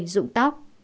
một mươi dụng tóc